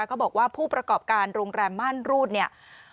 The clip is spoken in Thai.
เขาบอกว่าผู้ประกอบการโรงแรมม่านรูดเนี่ย